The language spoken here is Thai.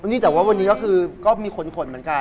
นี่แต่ว่าวันนี้ก็คือก็มีคนขนเหมือนกัน